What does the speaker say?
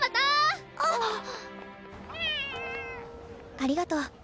ありがとう。